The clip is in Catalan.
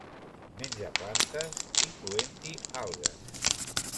Menja plantes, incloent-hi algues.